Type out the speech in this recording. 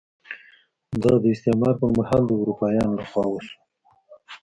دا د استعمار پر مهال د اروپایانو لخوا وشول.